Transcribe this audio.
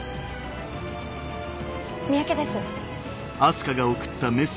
三宅です。